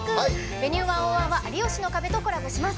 「Ｖｅｎｕｅ１０１」は「有吉の壁」とコラボします。